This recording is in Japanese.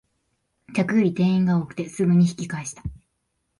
客より店員が多くてすぐに引き返した